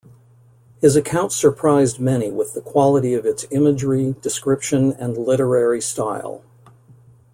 His account surprised many with the quality of its imagery, description, and literary style.